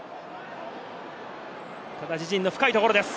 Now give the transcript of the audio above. ただ自陣の深いところです。